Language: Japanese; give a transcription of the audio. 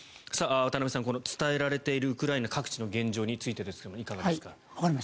渡部さん、伝えられているウクライナ各地の状況ですがいかがでしょうか。